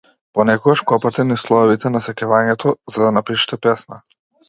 Понекогаш копате низ слоевите на сеќавањето за да напишете песна.